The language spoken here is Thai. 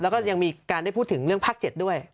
แล้วก็ยังมีการได้พูดถึงเรื่องภาค๗ด้วย